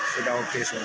sudah oke semua